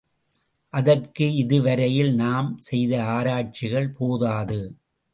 அதற்கு இது வரையில் நாம் செய்த ஆராய்ச்சிகள் போதாது.